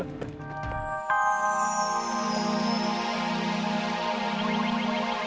pemimpin yang sudah berpikir